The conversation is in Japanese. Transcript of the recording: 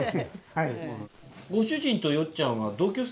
はい。